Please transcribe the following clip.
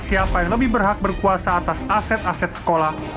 siapa yang lebih berhak berkuasa atas aset aset sekolah